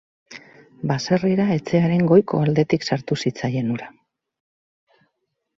Baserrira etxearen goiko aldetik sartu zitzaien ura.